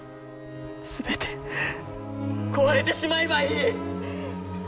全て壊れてしまえばいい！